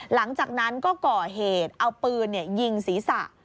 หลังจากนั้นก็ก่อเหตุเอาปืนยิงศีรษะ